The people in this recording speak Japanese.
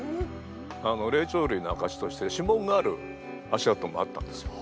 霊長類のあかしとして指紋がある足跡もあったんですよ。